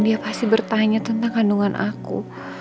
dia pasti bertanya tentang kandungan aku